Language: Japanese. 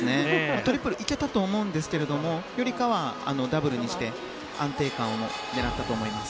トリプルいけたと思いますがダブルにして安定感を狙ったと思います。